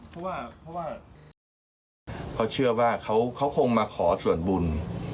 เพราะเชื่อว่าเขาคงมาขอส่วนบุญ